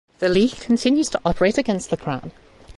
The League continued to operate against the crown.